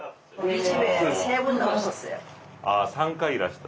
３回いらした。